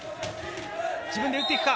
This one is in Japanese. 自分で打っていくか。